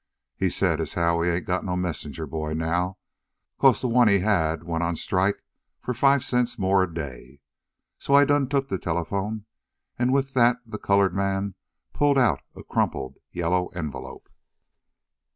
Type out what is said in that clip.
He said as how he ain't got no messenger boy now, 'cause de one he done hab went on a strike fo' five cents mo' a day. So I done took de telephone," and with that the colored man pulled out a crumpled yellow envelope.